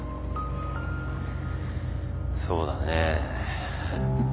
そうだね。